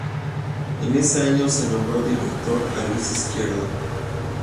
En ese año se nombró director a Luis Izquierdo.